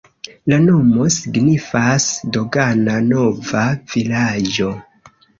La nomo signifas: dogana-nova-vilaĝo.